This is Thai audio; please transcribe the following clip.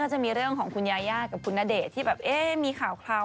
จะมีเรื่องของคุณยายากับคุณณเดชน์ที่แบบเอ๊ะมีข่าว